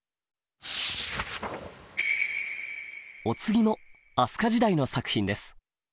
お次も飛鳥時代の作品です。